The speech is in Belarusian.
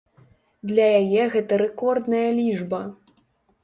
Для яе гэта рэкордная лічба.